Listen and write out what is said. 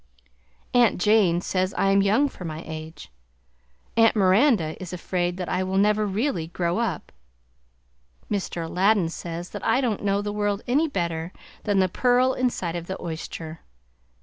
Aunt Jane says I am young for my age, Aunt Miranda is afraid that I will never really "grow up," Mr. Aladdin says that I don't know the world any better than the pearl inside of the oyster.